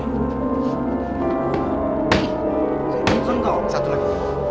satu satu lagi